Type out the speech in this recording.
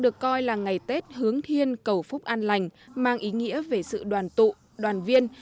được coi là ngày tết hướng thiên cầu phúc an lành mang ý nghĩa về sự đoàn tụ đoàn viên